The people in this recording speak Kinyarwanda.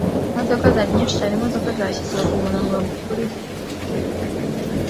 Imodoka zari nyinshi cyane. Imodoka zashyizwe kumurongo kuri bumper.